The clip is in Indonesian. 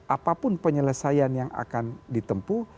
apapun penyelesaian yang akan ditempuh